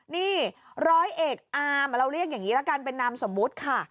นี่ร้อยเอกอามเราเรียกอย่างนี้ละกันเป็นนามสมมุติค่ะ